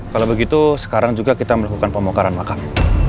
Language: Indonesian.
kalau begitu sekarang juga kita melakukan pembongkaran makam